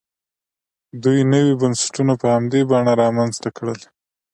دوی نوي بنسټونه په همدې بڼه رامنځته کړل.